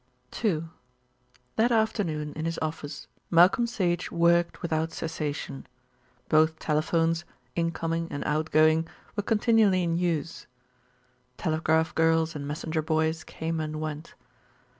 II That afternoon in his office Malcolm Sage worked without cessation. Both telephones, incoming and outgoing, were continually in use. Telegraph girls and messenger boys came and went.